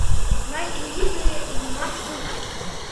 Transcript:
Мый изи дене йӱмаш уке.